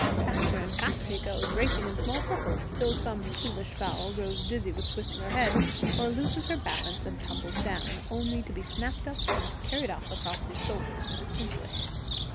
Faster and faster he goes, racing in small circles, till some foolish fowl grows dizzy with twisting her head, or loses her balance and tumbles down, only to be snapped up and carried off across his shoulders in a twinkling.